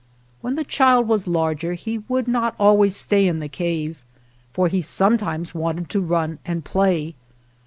When the child was larger he would not always stay in the cave, for he sometimes wanted to run and play.